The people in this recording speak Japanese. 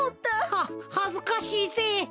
ははずかしいぜ。